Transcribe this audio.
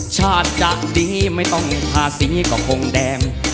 ชาติจะดีไม่ต้องพาสีกระโค้งแดง